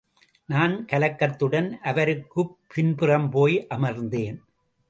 நான் கலக்கத்துடன் அவருக்குப் பின்புறம் போய் அமர்ந்தேன்.